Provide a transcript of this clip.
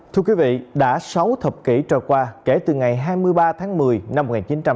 thưa quý vị đã sáu thập kỷ trở qua kể từ ngày hai mươi ba tháng một mươi năm một nghìn chín trăm tám mươi